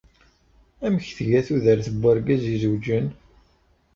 Amek tga tudert n wergaz izewǧen?